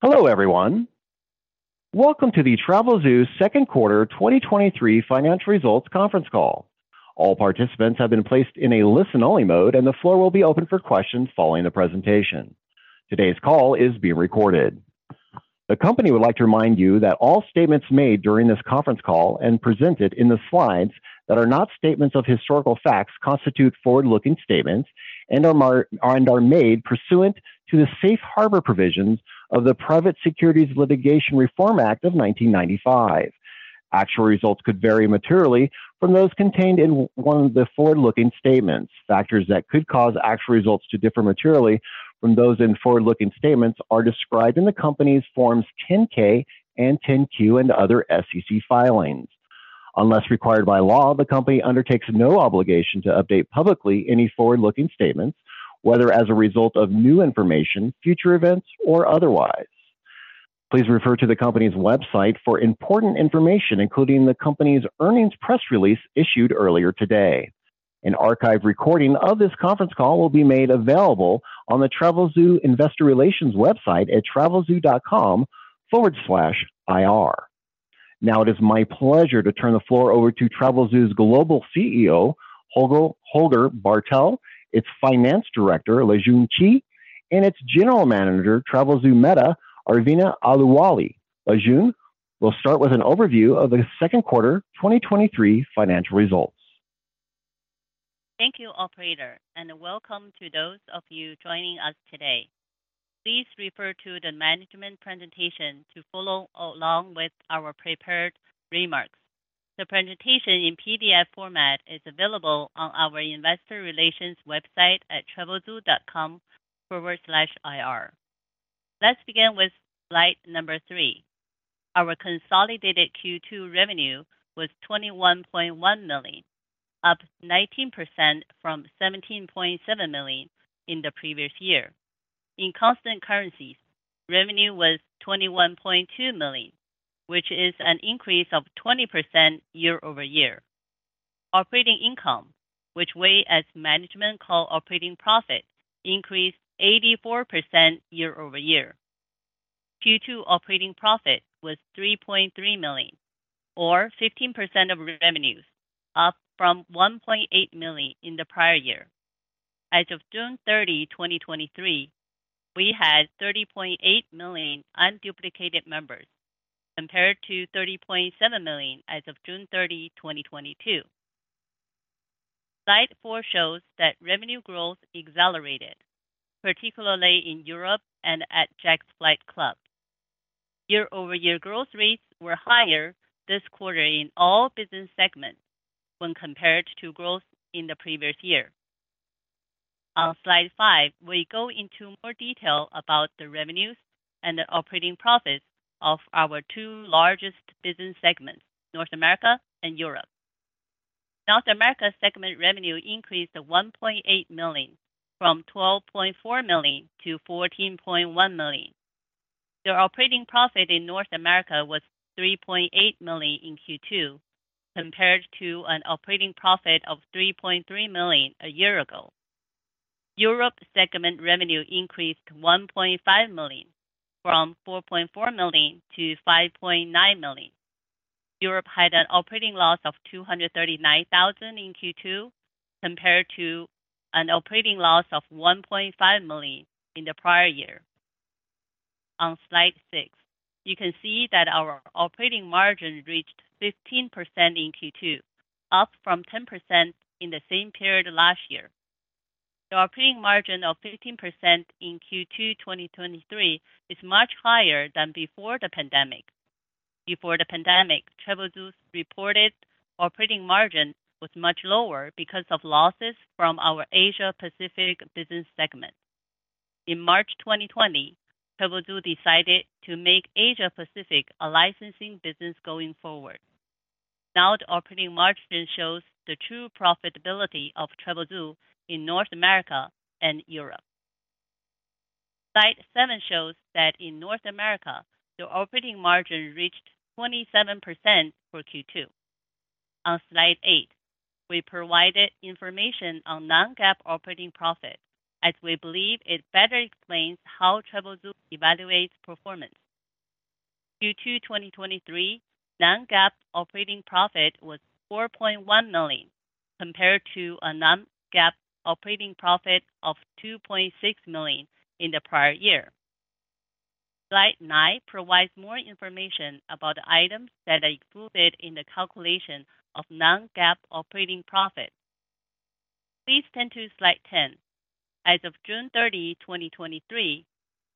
Hello, everyone. Welcome to the Travelzoo's Q2 2023 financial results conference call. All participants have been placed in a listen-only mode, the floor will be open for questions following the presentation. Today's call is being recorded. The company would like to remind you that all statements made during this conference call and presented in the slides that are not statements of historical facts, constitute forward-looking statements and are made pursuant to the Safe Harbor provisions of the Private Securities Litigation Reform Act of 1995. Actual results could vary materially from those contained in one of the forward-looking statements. Factors that could cause actual results to differ materially from those in forward-looking statements are described in the company's Forms 10-K and 10-Q and other SEC filings. Unless required by law, the company undertakes no obligation to update publicly any forward-looking statements, whether as a result of new information, future events, or otherwise. Please refer to the company's website for important information, including the company's earnings press release issued earlier today. An archive recording of this conference call will be made available on the Travelzoo Investor Relations website at travelzoo.com/ir. It is my pleasure to turn the floor over to Travelzoo's Global CEO, Holger Bartel, its Finance Director, Lijun Qi, and its General Manager, Travelzoo META, Arveena Ahluwalia. Lijun, we'll start with an overview of the Q2 2023 financial results. Thank you, Operator. Welcome to those of you joining us today. Please refer to the management presentation to follow along with our prepared remarks. The presentation in PDF format is available on our investor relations website at travelzoo.com/ir. Let's begin with slide number three. Our consolidated Q2 revenue was $21.1 million, up 19% from $17.7 million in the previous year. In constant currencies, revenue was $21.2 million, which is an increase of 20% year-over-year. Operating income, which we as management call operating profit, increased 84% year-over-year. Q2 operating profit was $3.3 million, or 15% of revenues, up from $1.8 million in the prior year. As of June 30, 2023, we had 30.8 million unduplicated members, compared to 30.7 million as of June 30, 2022. Slide four shows that revenue growth accelerated, particularly in Europe and at Jack's Flight Club. Year-over-year growth rates were higher this quarter in all business segments when compared to growth in the previous year. On Slide five, we go into more detail about the revenues and the operating profits of our two largest business segments, North America and Europe. North America segment revenue increased to $1.8 million, from $12.4 million-$14.1 million. The operating profit in North America was $3.8 million in Q2, compared to an operating profit of $3.3 million a year ago. Europe segment revenue increased $1.5 million, from $4.4 million-$5.9 million. Europe had an operating loss of $239,000 in Q2, compared to an operating loss of $1.5 million in the prior year. On Slide six, you can see that our operating margin reached 15% in Q2, up from 10% in the same period last year. The operating margin of 15% in Q2 2023, is much higher than before the pandemic. Before the pandemic, Travelzoo's reported operating margin was much lower because of losses from our Asia Pacific business segment. In March 2020, Travelzoo decided to make Asia Pacific a licensing business going forward. Now, the operating margin shows the true profitability of Travelzoo in North America and Europe. Slide seven shows that in North America, the operating margin reached 27% for Q2. On Slide eight, we provided information on non-GAAP operating profit, as we believe it better explains how Travelzoo evaluates performance. Q2 2023, non-GAAP operating profit was $4.1 million, compared to a non-GAAP operating profit of $2.6 million in the prior year. Slide nine provides more information about the items that are included in the calculation of non-GAAP operating profit. Please turn to Slide 10. As of June 30, 2023,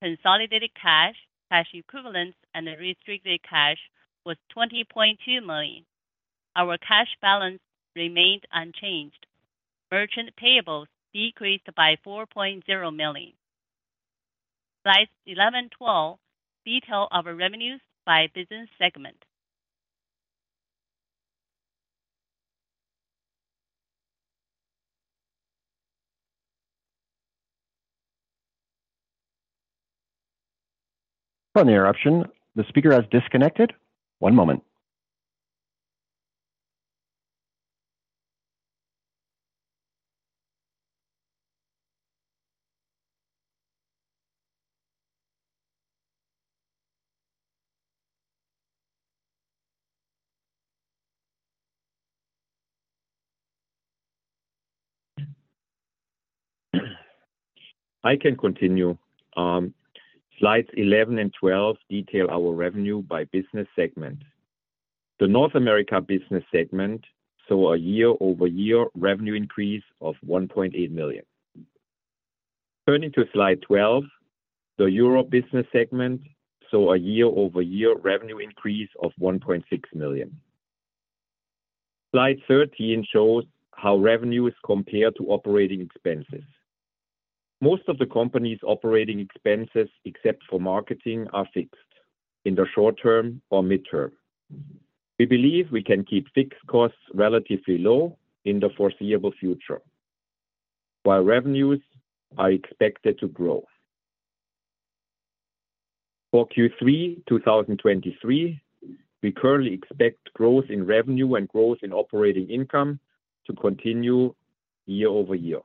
consolidated cash, cash equivalents, and restricted cash was $20.2 million. Our cash balance remained unchanged. Merchant payables decreased by $4.0 million. Slides 11, 12, detail our revenues by business segment. Sorry for the interruption. The speaker has disconnected. One moment. I can continue. Slides 11 and 12 detail our revenue by segment. The North America segment saw a year-over-year revenue increase of $1.8 million. Turning to slide 12, the Europe segment saw a year-over-year revenue increase of $1.6 million. Slide 13 shows how revenue is compared to operating expenses. Most of the company's operating expenses, except for marketing, are fixed in the short term or mid-term. We believe we can keep fixed costs relatively low in the foreseeable future, while revenues are expected to grow. For Q3 2023, we currently expect growth in revenue and growth in operating income to continue year-over-year.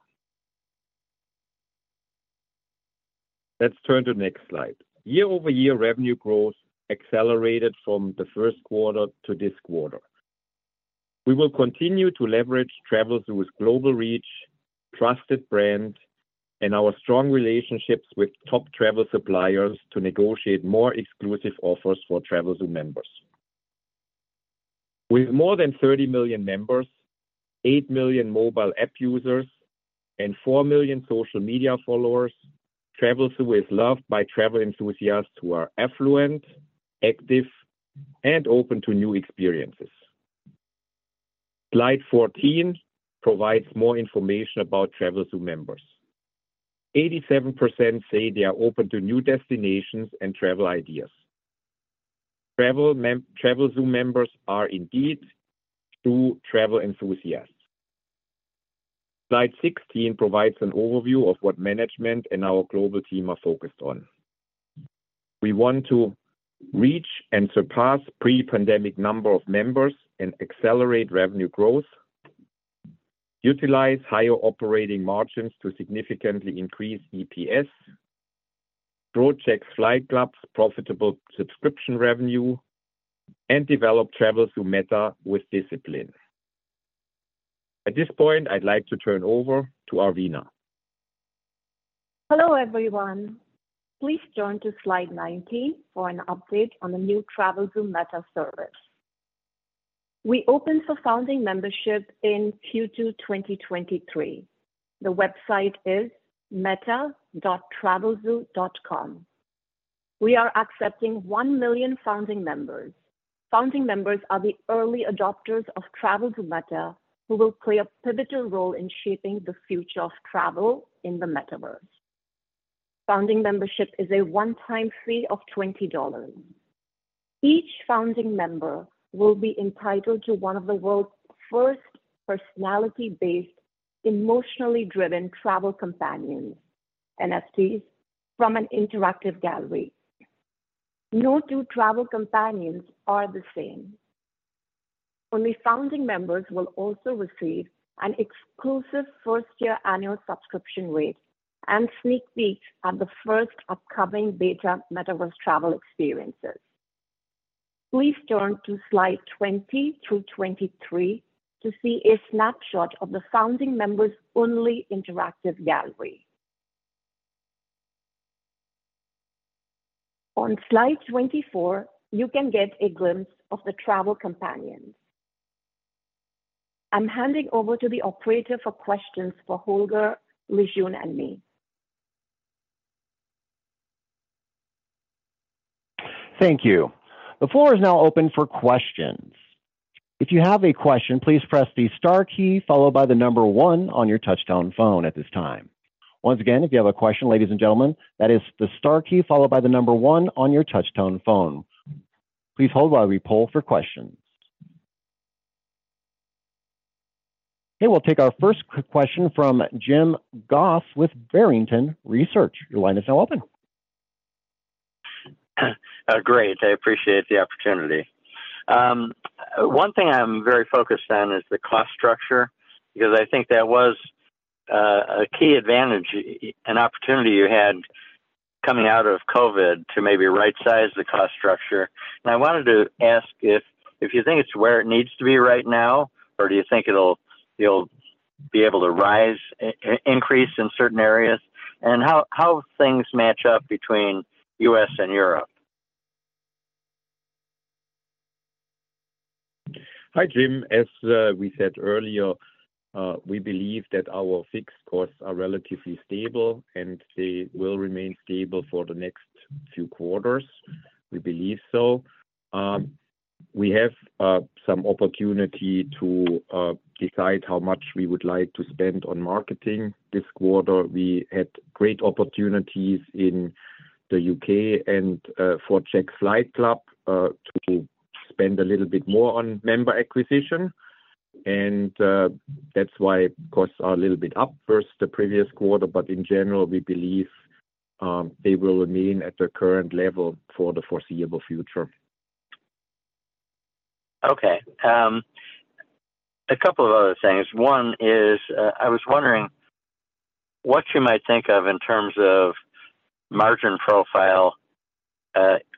Let's turn to the next slide. Year-over-year revenue growth accelerated from the Q1 to this quarter. We will continue to leverage Travelzoo's global reach, trusted brand, and our strong relationships with top travel suppliers to negotiate more exclusive offers for Travelzoo members. With more than 30 million members, 8 million mobile app users, and 4 million social media followers, Travelzoo is loved by travel enthusiasts who are affluent, active, and open to new experiences. Slide 14 provides more information about Travelzoo members. 87% say they are open to new destinations and travel ideas. Travelzoo members are indeed true travel enthusiasts. Slide 16 provides an overview of what management and our global team are focused on. We want to reach and surpass pre-pandemic number of members and accelerate revenue growth, utilize higher operating margins to significantly increase EPS, grow Jack's Flight Club's profitable subscription revenue, and develop Travelzoo META with discipline. At this point, I'd like to turn over to Arveena. Hello, everyone. Please turn to slide 19 for an update on the new Travelzoo META service. We opened for founding membership in Q2, 2023. The website is meta.travelzoo.com. We are accepting 1 million founding members. Founding members are the early adopters of Travelzoo META, who will play a pivotal role in shaping the future of travel in the metaverse. Founding membership is a one-time fee of $20. Each founding member will be entitled to one of the world's first personality-based, emotionally-driven travel companions, NFTs, from an interactive gallery. No two travel companions are the same. Only founding members will also receive an exclusive first-year annual subscription rate and sneak peek at the first upcoming beta metaverse travel experiences. Please turn to slide 20-23 to see a snapshot of the founding members' only interactive gallery. On slide 24, you can get a glimpse of the travel companions. I'm handing over to the operator for questions for Holger, Lijun, and me. Thank you. The floor is now open for questions. If you have a question, please press the star key followed by one on your touch-tone phone at this time. Once again, if you have a question, ladies and gentlemen, that is the star key, followed by one on your touch-tone phone. Please hold while we poll for questions. We'll take our first question from Jim Goss with Barrington Research. Your line is now open. Great. I appreciate the opportunity. One thing I'm very focused on is the cost structure, because I think that was a key advantage, an opportunity you had coming out of COVID to maybe right-size the cost structure. I wanted to ask if you think it's where it needs to be right now, or do you think you'll be able to rise, increase in certain areas? How things match up between U.S. and Europe? Hi, Jim. As we said earlier, we believe that our fixed costs are relatively stable, and they will remain stable for the next few quarters. We believe so. We have some opportunity to decide how much we would like to spend on marketing. This quarter, we had great opportunities in the U.K. and for Jack's Flight Club to spend a little bit more on member acquisition. That's why costs are a little bit up versus the previous quarter, but in general, we believe, they will remain at the current level for the foreseeable future. Okay. A couple of other things. One is, I was wondering what you might think of in terms of margin profile,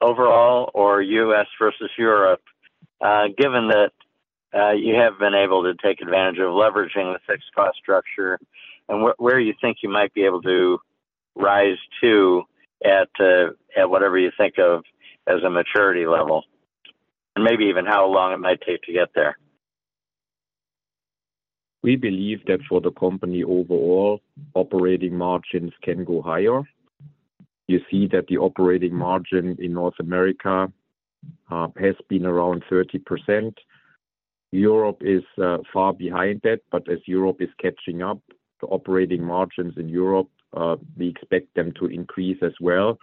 overall, or U.S. versus Europe, given that, you have been able to take advantage of leveraging the fixed cost structure and where you think you might be able to rise to at, at whatever you think of as a maturity level, and maybe even how long it might take to get there? We believe that for the company overall, operating margins can go higher. You see that the operating margin in North America has been around 30%. Europe is far behind that, but as Europe is catching up, the operating margins in Europe, we expect them to increase as well.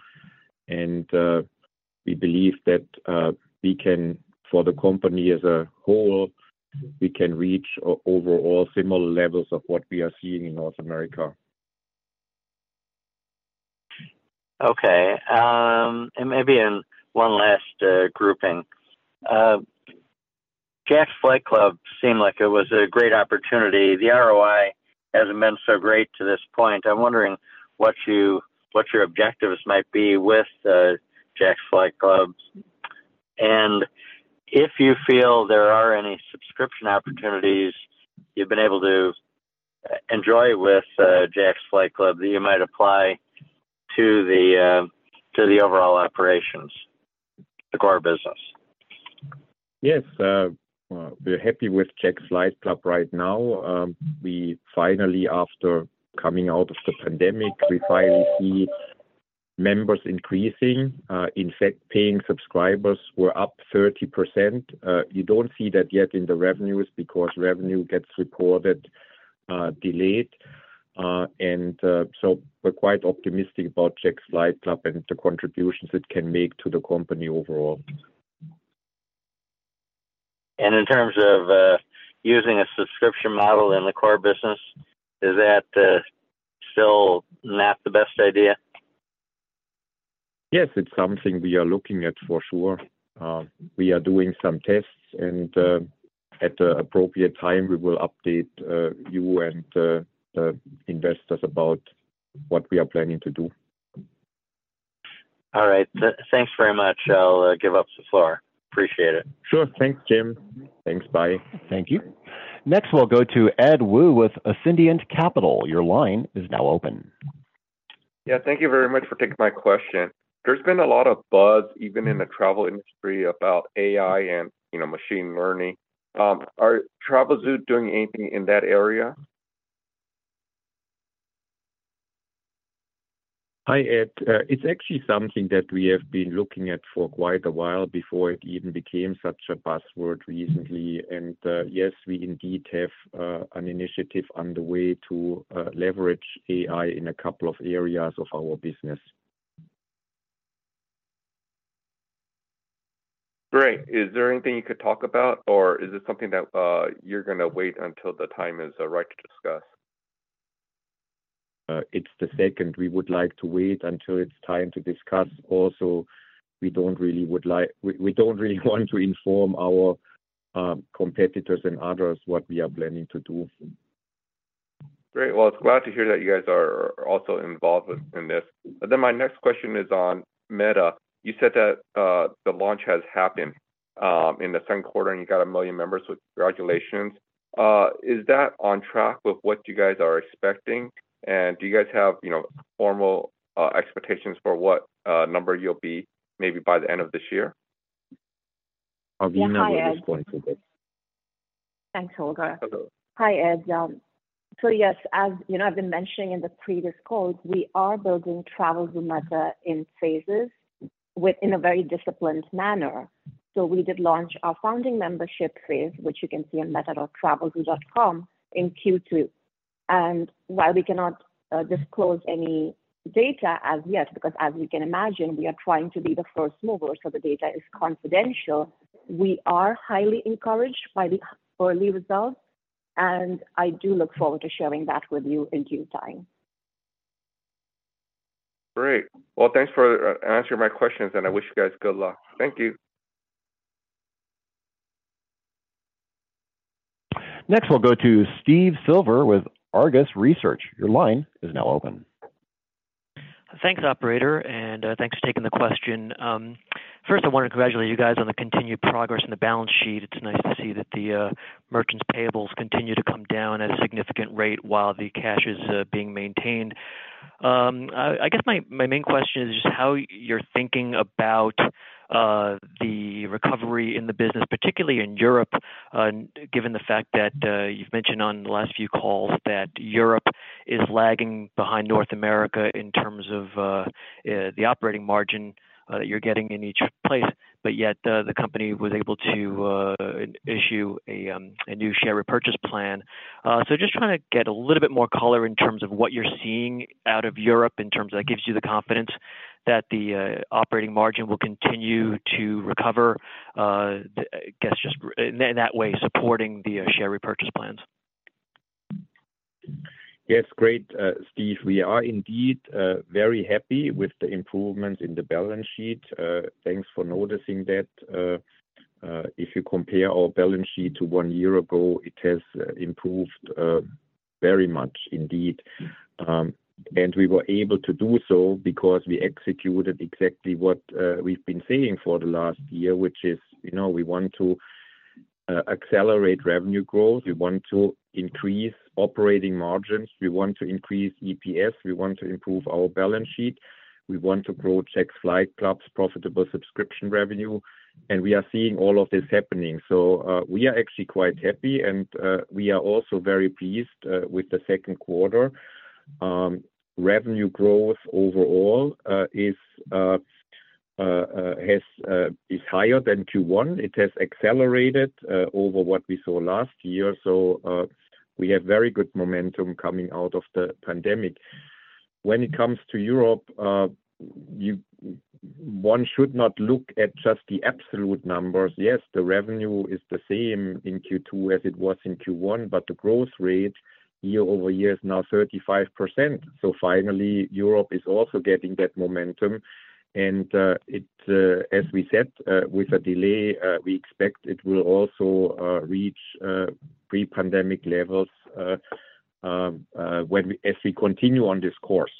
We believe that we can, for the company as a whole, we can reach overall similar levels of what we are seeing in North America. Okay. Maybe in one last grouping. Jack's Flight Club seemed like it was a great opportunity. The ROI hasn't been so great to this point. I'm wondering what your objectives might be with Jack's Flight Club, and if you feel there are any subscription opportunities you've been able to enjoy with Jack's Flight Club that you might apply to the overall operations, the core business. Yes. We're happy with Jack's Flight Club right now. We finally, after coming out of the pandemic, we finally see members increasing. In fact, paying subscribers were up 30%. You don't see that yet in the revenues because revenue gets recorded, delayed. So we're quite optimistic about Jack's Flight Club and the contributions it can make to the company overall. In terms of, using a subscription model in the core business, is that still not the best idea? Yes, it's something we are looking at for sure. We are doing some tests, and at the appropriate time, we will update you and the investors about what we are planning to do. All right. Thanks very much. I'll give up the floor. Appreciate it. Sure. Thanks, Jim. Thanks. Bye. Thank you. Next, we'll go to Ed Woo with Ascendiant Capital. Your line is now open. Yeah, thank you very much for taking my question. There's been a lot of buzz, even in the travel industry, about AI and, you know, machine learning. Are Travelzoo doing anything in that area? Hi, Ed. It's actually something that we have been looking at for quite a while before it even became such a buzzword recently. Yes, we indeed have an initiative on the way to leverage AI in a couple of areas of our business. Great. Is there anything you could talk about, or is this something that you're gonna wait until the time is right to discuss? It's the second. We would like to wait until it's time to discuss. We don't really want to inform our competitors and others what we are planning to do. Great. Well, I'm glad to hear that you guys are also involved in, in this. My next question is on META. You said that the launch has happened in the Q2, and you got 1 million members, so congratulations. Is that on track with what you guys are expecting? Do you guys have, you know, formal expectations for what number you'll be, maybe by the end of this year? Arveena was going to this. Thanks, Holger. Hello. Hi, Ed. Yes, as you know, I've been mentioning in the previous calls, we are building Travelzoo META in phases in a very disciplined manner. We did launch our founding membership phase, which you can see on meta.travelzoo.com in Q2. While we cannot disclose any data as yet, because as you can imagine, we are trying to be the first mover, so the data is confidential. We are highly encouraged by the early results, and I do look forward to sharing that with you in due time. Great. Thanks for answering my questions, and I wish you guys good luck. Thank you. Next, we'll go to Steve Silver with Argus Research. Your line is now open. Thanks, operator, and thanks for taking the question. First, I want to congratulate you guys on the continued progress in the balance sheet. It's nice to see that the merchants' payables continue to come down at a significant rate while the cash is being maintained. I guess my main question is just how you're thinking about the recovery in the business, particularly in Europe, given the fact that you've mentioned on the last few calls that Europe is lagging behind North America in terms of the operating margin that you're getting in each place, but yet the company was able to issue a new share repurchase plan. Just trying to get a little bit more color in terms of what you're seeing out of Europe in terms of that gives you the confidence that the operating margin will continue to recover, I guess just in that way, supporting the share repurchase plans. Yes, great, Steve. We are indeed very happy with the improvement in the balance sheet. Thanks for noticing that. If you compare our balance sheet to one year ago, it has improved very much indeed. We were able to do so because we executed exactly what we've been saying for the last year, which is, you know, we want to accelerate revenue growth. We want to increase operating margins. We want to increase EPS. We want to improve our balance sheet. We want to grow Jack's Flight Club, profitable subscription revenue, and we are seeing all of this happening. We are actually quite happy, and we are also very pleased with the Q2. Revenue growth overall, is higher than Q1. It has accelerated over what we saw last year, so we have very good momentum coming out of the pandemic. When it comes to Europe, one should not look at just the absolute numbers. Yes, the revenue is the same in Q2 as it was in Q1, but the growth rate year-over-year is now 35%. Finally, Europe is also getting that momentum, and it, as we said, with a delay, we expect it will also reach pre-pandemic levels as we continue on this course.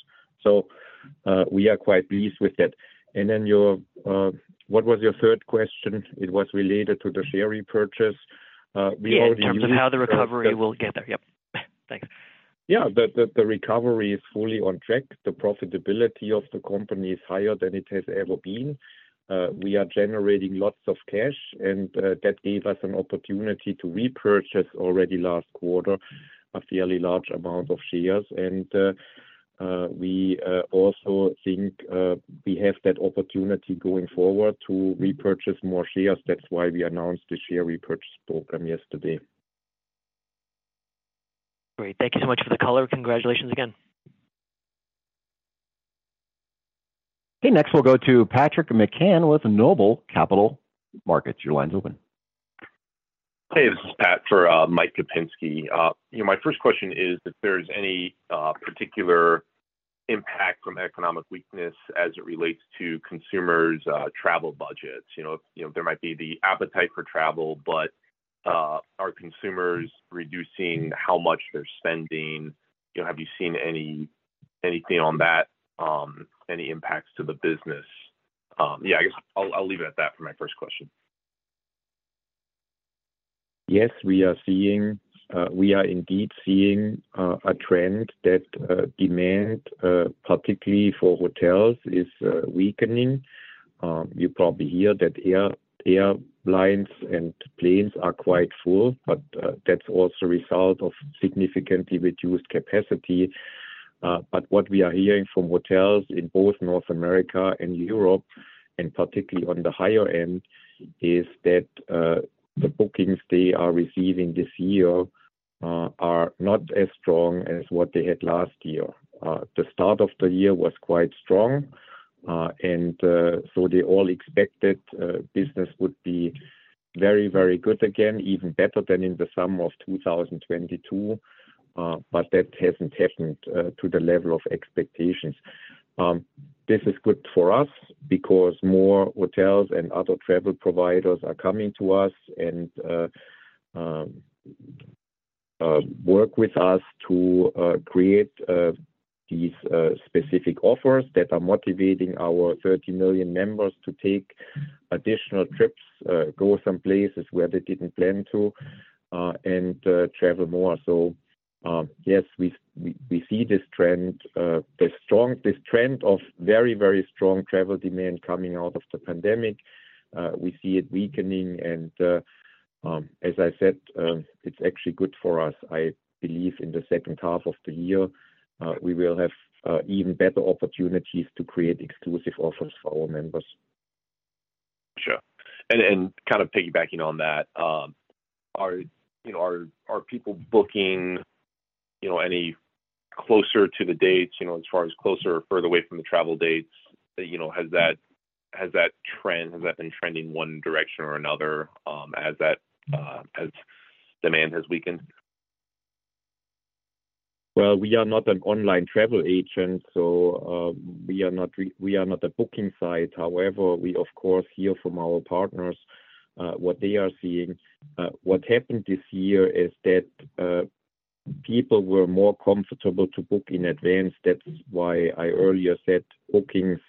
We are quite pleased with that. Your, what was your third question? It was related to the share repurchase. We already- Yeah, in terms of how the recovery will get there. Yep. Thanks. Yeah. The recovery is fully on track. The profitability of the company is higher than it has ever been. We are generating lots of cash, and that gave us an opportunity to repurchase already last quarter, a fairly large amount of shares. We also think we have that opportunity going forward to repurchase more shares. That's why we announced the share repurchase program yesterday. Great. Thank you so much for the color. Congratulations again. Okay, next we'll go to Patrick McCann with Noble Capital Markets. Your line's open. Hey, this is Pat for Michael Kupinski. You know, my first question is if there's any particular impact from economic weakness as it relates to consumers' travel budgets. You know, you know, there might be the appetite for travel, but are consumers reducing how much they're spending? You know, have you seen anything on that, any impacts to the business? Yeah, I guess I'll leave it at that for my first question. Yes, we are seeing. We are indeed seeing a trend that demand, particularly for hotels, is weakening. You probably hear that airlines and planes are quite full, that's also a result of significantly reduced capacity. What we are hearing from hotels in both North America and Europe, and particularly on the higher end, is that the bookings they are receiving this year are not as strong as what they had last year. The start of the year was quite strong, and they all expected business would be very, very good, again, even better than in the summer of 2022. That hasn't happened to the level of expectations. This is good for us because more hotels and other travel providers are coming to us and work with us to create these specific offers that are motivating our 30 million members to take additional trips, go some places where they didn't plan to, and travel more. Yes, we see this trend, this trend of very, very strong travel demand coming out of the pandemic. We see it weakening, and as I said, it's actually good for us. I believe in the H2 of the year, we will have even better opportunities to create exclusive offers for our members. Sure. And kind of piggybacking on that, are, you know, are people booking, you know, any closer to the dates, you know, as far as closer or further away from the travel dates? That, you know, has that trend, has that been trending one direction or another, as that as demand has weakened? We are not an online travel agent, so, we are not a booking site. However, we, of course, hear from our partners, what they are seeing. What happened this year is that people were more comfortable to book in advance. That's why I earlier said bookings,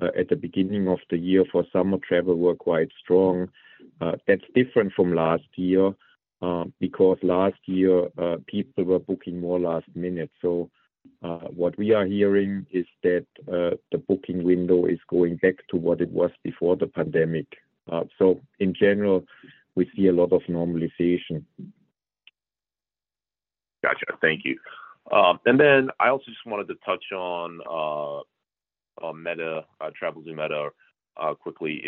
at the beginning of the year for summer travel were quite strong. That's different from last year, because last year, people were booking more last minute. What we are hearing is that the booking window is going back to what it was before the pandemic. In general, we see a lot of normalization. Gotcha. Thank you. I also just wanted to touch on on META, Travelzoo META quickly.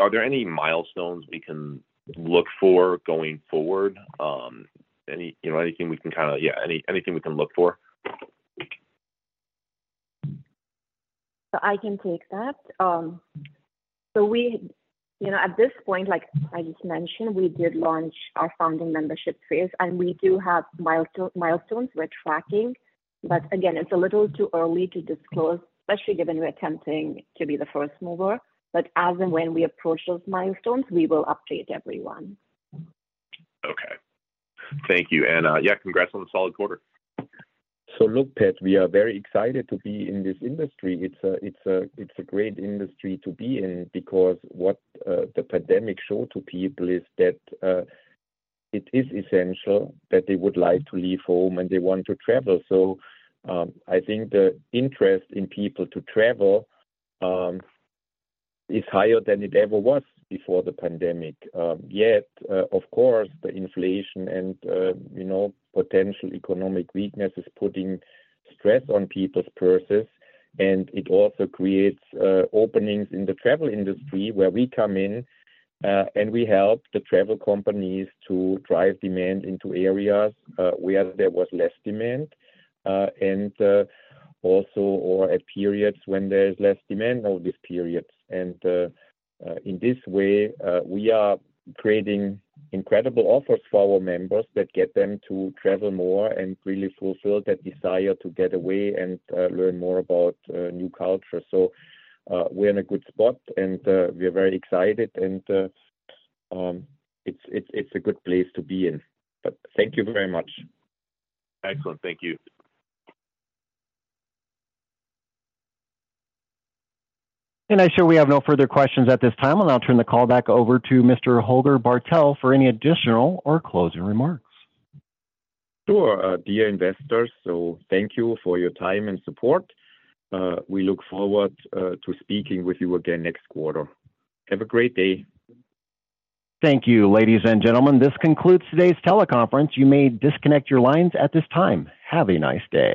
Are there any milestones we can look for going forward? Yeah, anything we can look for? I can take that. We, you know, at this point, like I just mentioned, we did launch our founding membership phase, and we do have milestones we're tracking. Again, it's a little too early to disclose, especially given we're attempting to be the first mover. As and when we approach those milestones, we will update everyone. Okay. Thank you. Yeah, congrats on the solid quarter. Look, Pat, we are very excited to be in this industry. It's a great industry to be in because what the pandemic showed to people is that it is essential, that they would like to leave home and they want to travel. I think the interest in people to travel is higher than it ever was before the pandemic. Yet, of course, the inflation and, you know, potential economic weakness is putting stress on people's purses. It also creates openings in the travel industry where we come in, and we help the travel companies to drive demand into areas where there was less demand. Also, or at periods when there is less demand or these periods. In this way, we are creating incredible offers for our members that get them to travel more and really fulfill that desire to get away and learn more about new cultures. We're in a good spot, and we are very excited, and it's a good place to be in. Thank you very much. Excellent. Thank you. I show we have no further questions at this time. I'll now turn the call back over to Mr. Holger Bartel for any additional or closing remarks. Sure, dear investors, thank you for your time and support. We look forward, to speaking with you again next quarter. Have a great day. Thank you, ladies and gentlemen, this concludes today's teleconference. You may disconnect your lines at this time. Have a nice day.